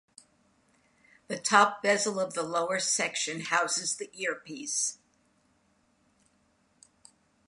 The top bezel of the lower section houses the earpiece.